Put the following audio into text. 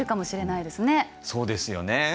そうですよね。